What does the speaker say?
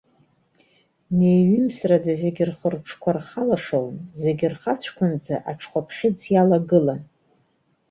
Неиҩымсрада зегьы рхы-рҿқәа рхылашауан, зегьы рхақәцәанӡа аҽхәаԥхьыӡ иалагылан.